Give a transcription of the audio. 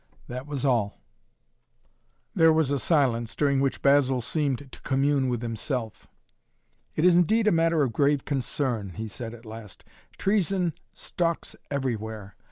"That was all!" There was a silence during which Basil seemed to commune with himself. "It is indeed a matter of grave concern," he said at last. "Treason stalks everywhere.